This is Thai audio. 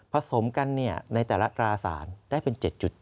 สมกันในแต่ละตราสารได้เป็น๗๗